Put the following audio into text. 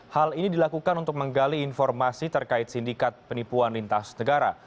hal ini dilakukan untuk menggali informasi terkait sindikat penipuan lintas negara